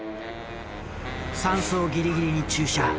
山荘ギリギリに駐車。